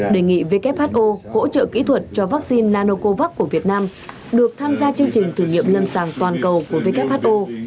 đề nghị who hỗ trợ kỹ thuật cho vaccine nanocovax của việt nam được tham gia chương trình thử nghiệm lâm sàng toàn cầu của who